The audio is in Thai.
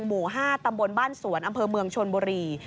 หมู่๕ตำบลบ้านสวนอำเภอเมืองชนบุรี